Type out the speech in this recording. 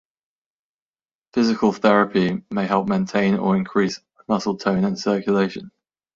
Physical therapy may help maintain or increase muscle tone and circulation.